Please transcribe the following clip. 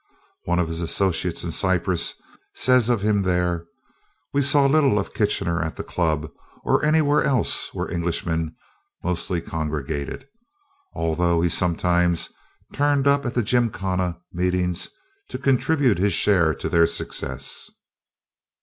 One of his associates in Cyprus says of him there: "We saw little of Kitchener at the club or anywhere else where Englishmen mostly congregated, although he sometimes turned up at the gymkhana meetings to contribute his share to their success.